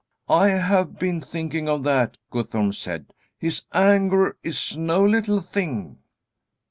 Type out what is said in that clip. "I have been thinking of that," Guthorm said; "his anger is no little thing."